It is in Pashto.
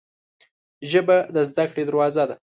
ژبه د زده کړې دروازه ده